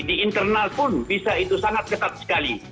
di internal pun bisa itu sangat ketat sekali